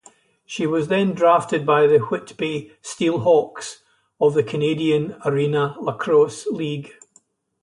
She was then drafted by the Whitby Steelhawks of the Canadian Arena Lacrosse League.